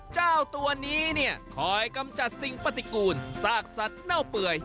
เจ้าตัวนี้เนี่ยคอยกำจัดสิ่งปฏิกูลซากสัตว์เน่าเปื่อย